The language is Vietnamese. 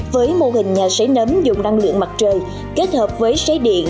với mô hình nhà sấy nấm dùng năng lượng mặt trời kết hợp với sấy điện